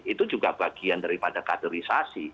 itu juga bagian daripada kaderisasi